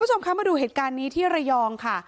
คุณผู้ชมคะมาดูเหตุการณ์นี้ที่ระยองค่ะ